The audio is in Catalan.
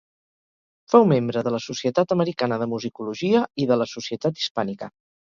Fou membre de la Societat Americana de Musicologia i de la Societat Hispànica.